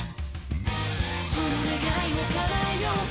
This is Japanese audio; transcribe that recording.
「その願いを叶えようか」